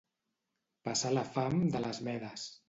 Passar la fam de les Medes.